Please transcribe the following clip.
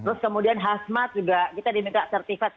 terus kemudian khas mat juga kita diminta sertifat